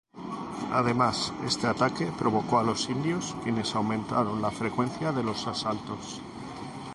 Además este ataque provocó a los indios, quienes aumentaron la frecuencia de los asaltos.